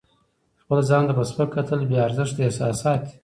خپل ځان ته په سپکه کتل بې ارزښته احساسات دي.